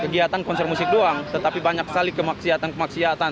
kekuatan konser musik doang tetapi banyak saling kemaksiatan kemaksiatan